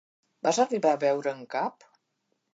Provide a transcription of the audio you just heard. Vas arribar a veure'n cap?